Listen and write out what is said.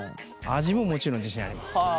味ももちろん自信あります。